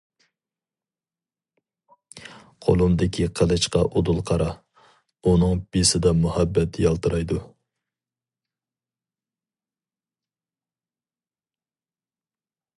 قولۇمدىكى قىلىچقا ئۇدۇل قارا، ئۇنىڭ بىسىدا مۇھەببەت يالتىرايدۇ!